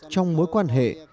trong mối quan hệ